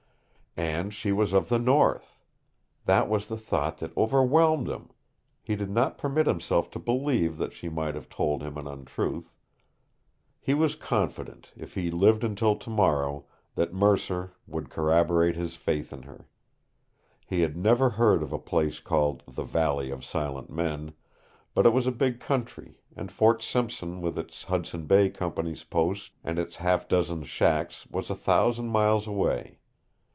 AND SHE WAS OF THE NORTH! That was the thought that overwhelmed him. He did not permit himself to believe that she might have told him an untruth. He was confident, if he lived until tomorrow, that Mercer would corroborate his faith in her. He had never heard of a place called the Valley of Silent Men, but it was a big country, and Fort Simpson with its Hudson Bay Company's post and its half dozen shacks was a thousand miles away.